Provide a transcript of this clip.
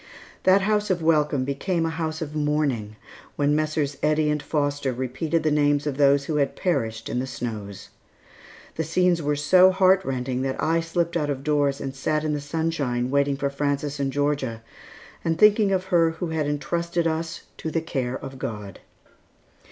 That house of welcome became a house of mourning when Messrs. Eddy and Foster repeated the names of those who had perished in the snows. The scenes were so heart rending that I slipped out of doors and sat in the sunshine waiting for Frances and Georgia, and thinking of her who had intrusted us to the care of God.